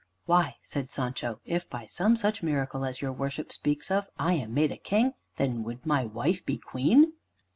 "Why," said Sancho, "if by some such miracle as your worship speaks of, I am made a King, then would my wife be Queen?"